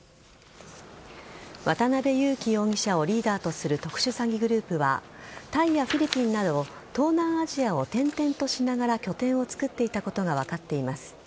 渡辺優樹容疑者をリーダーとする特殊詐欺グループはタイやフィリピンなど東南アジアを転々としながら拠点を作っていたことが分かっています。